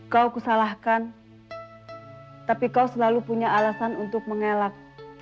kau kusalahkan tapi kau selalu punya alasan untuk mengelak